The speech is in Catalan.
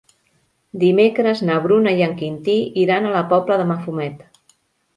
Dimecres na Bruna i en Quintí iran a la Pobla de Mafumet.